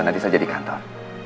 nanti saya jadi kantor